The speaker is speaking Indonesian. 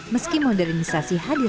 meski modernisasi hadir